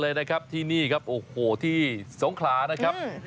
เลยนะครับที่นี่ครับโอ้โหที่สงขลานะครับ